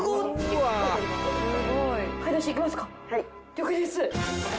了解です。